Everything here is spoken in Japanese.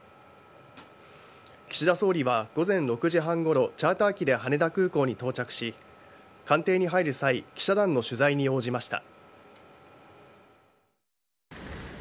岸田総理は午前６時半ごろチャーター機で羽田空港に到着し官邸に入る際記者団の取材に応じました。